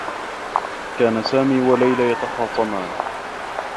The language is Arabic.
كانا سامي و ليلى يتخاصمان.